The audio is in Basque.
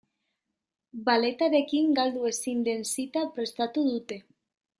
Balletarekin galdu ezin den zita prestatu dute.